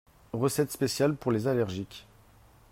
Recette spéciale pour les allergiques